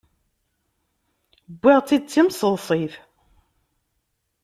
Wwiɣ-tt-id d timseḍsit.